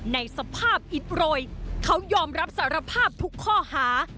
ในสภาพอิดโรยเขายอมรับสารภาพทุกข้อหา